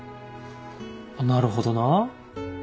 なるほどな。